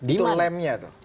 itu lemnya tuh